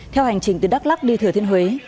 theo hành trình từ đắk lắc đi thừa thiên huế